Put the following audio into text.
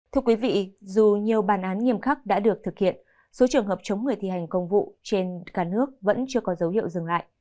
thưa quý vị dù nhiều bàn án nghiêm khắc đã được thực hiện số trường hợp chống người thi hành công vụ trên cả nước vẫn chưa có dấu hiệu dừng lại